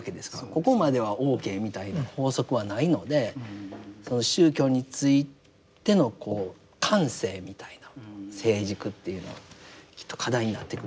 ここまではＯＫみたいな法則はないので宗教についてのこう感性みたいな成熟っていうのはきっと課題になってくるんじゃないか。